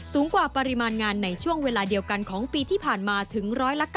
กว่าปริมาณงานในช่วงเวลาเดียวกันของปีที่ผ่านมาถึง๑๙